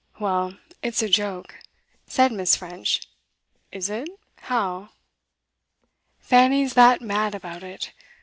'Well, it's a joke,' said Miss. French. 'Is it? How?' 'Fanny's that mad about it!